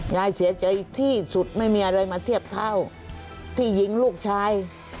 ยายเสียใจที่สุดไม่มีอะไรมาเทียบเท่าที่ยิงลูกชาย